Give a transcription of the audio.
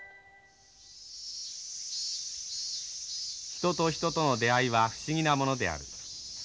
人と人との出会いは不思議なものである。